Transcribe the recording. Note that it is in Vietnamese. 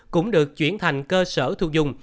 cũng được chuyển thành cơ sở thu dung